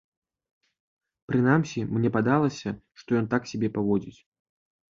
Прынамсі, мне падалася, што ён так сябе паводзіць.